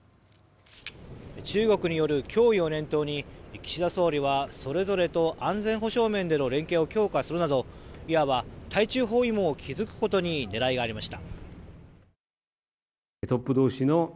中国による脅威を念頭に岸田総理はそれぞれと安全保障面での連携を強化するなどいわば対中包囲網を築くことに狙いがありました。